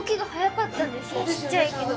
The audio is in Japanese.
ちっちゃいけど。